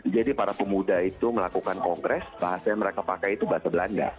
jadi para pemuda itu melakukan kongres bahasa yang mereka pakai itu bahasa belanda